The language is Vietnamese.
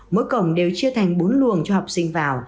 mỗi cổng đều chia thành bốn luồng cho học sinh vào